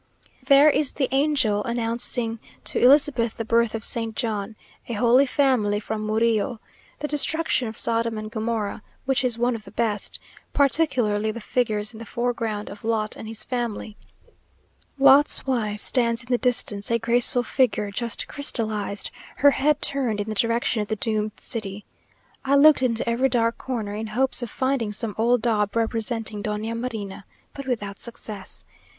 There is the Angel announcing to Elizabeth the birth of Saint John; a Holy Family, from Murillo; the destruction of Sodom and Gomorrah, which is one of the best; particularly the figures in the foreground, of Lot and his family. Lot's wife stands in the distance, a graceful figure just crystallized, her head turned in the direction of the doomed city. I looked into every dark corner, in hopes of finding some old daub representing Doña Marina, but without success.